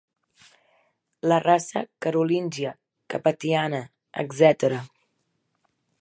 La raça carolíngia, capetiana, etc.